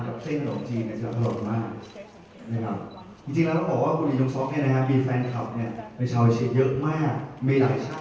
ก็พร้อมที่จะไปต้อนรับถือว่าเป็นความสวยงามแทบของแฟนชาวไทยนั่นเองนะครับ